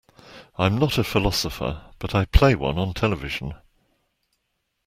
I'm not a philosopher, but I play one on television.